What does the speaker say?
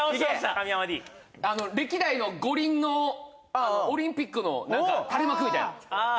神山Ｄ歴代の五輪のオリンピックの垂れ幕みたいなああ